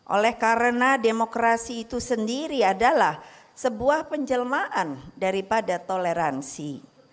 oleh karena demokrasi itu sendiri adalah sebuah penjelmaan daripada toleransi